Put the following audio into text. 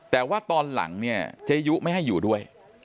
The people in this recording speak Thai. แต่ว่าตอนหลังเนี่ยเจยุไม่ให้อยู่ด้วย